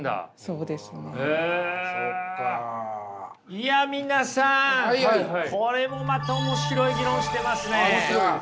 いや皆さんこれもまた面白い議論してますね。